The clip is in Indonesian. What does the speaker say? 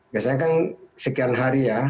biasanya kan sekian hari ya